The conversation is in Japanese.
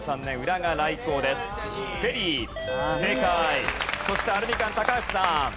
そしてアルミカン高橋さん。